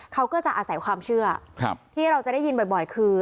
เขาก็จะอาศัยความเชื่อที่เราจะได้ยินบ่อยคือ